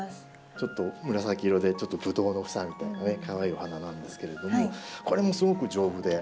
ちょっと紫色でちょっとブドウの房みたいなねかわいいお花なんですけれどもこれもすごく丈夫で。